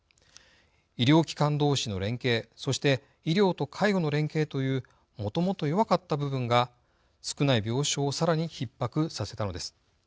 医療機関どうしの連携そして医療と介護の連携というもともと弱かった部分が少ない病床をさらにひっ迫させたのです。